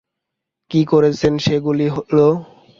তিনি করেছেন সেগুলি হলো: